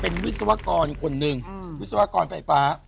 เป็นวิศวกรคนหนึ่งวิศวกรไฟฟ้า